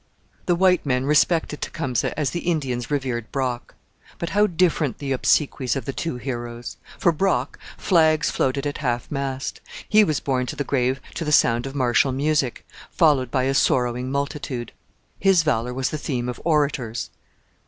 The white men respected Tecumseh as the Indians revered Brock. But how different the obsequies of the two heroes! For Brock flags floated at half mast. He was borne to the grave to the sound of martial music, followed by a sorrowing multitude. His valour was the theme of orators.